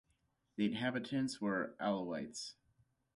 The inhabitants were Alawites.